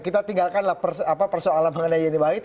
kita tinggalkan persoalan mengenai yeni wahid